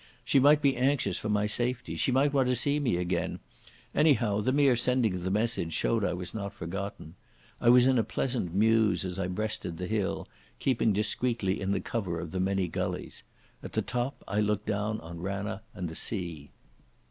She might be anxious for my safety, she might want to see me again, anyhow the mere sending of the message showed I was not forgotten. I was in a pleasant muse as I breasted the hill, keeping discreetly in the cover of the many gullies. At the top I looked down on Ranna and the sea.